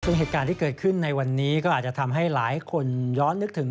ซึ่งเหตุการณ์ที่เกิดขึ้นในวันนี้ก็อาจจะทำให้หลายคนย้อนนึกถึง